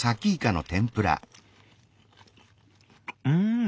うん！